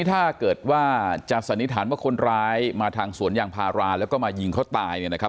ถ้าเกิดว่าจะสันนิษฐานว่าคนร้ายมาทางสวนยางพาราแล้วก็มายิงเขาตายเนี่ยนะครับ